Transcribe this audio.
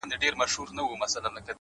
گلي نن بيا راته راياده سولې؛